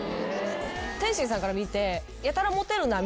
天心さんから見て。